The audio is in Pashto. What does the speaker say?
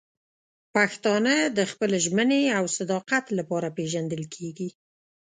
پښتانه د خپل ژمنې او صداقت لپاره پېژندل کېږي.